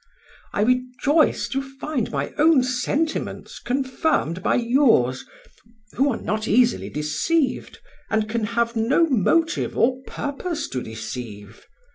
I rejoice to find my own sentiments confirmed by yours, who are not easily deceived, and can have no motive or purpose to deceive.